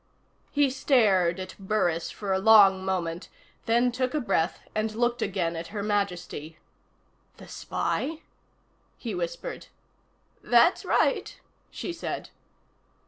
He stared at Burris for a long moment, then took a breath and looked again at Her Majesty. "The spy?" he whispered. "That's right," she said.